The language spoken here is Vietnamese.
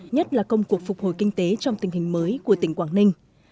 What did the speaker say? nhất là công cuộc phục hồi kinh tế trong tình hình mới của tỉnh quảng ninh